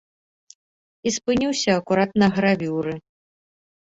І спыніўся акурат на гравюры.